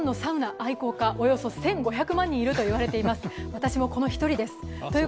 私もその一人です。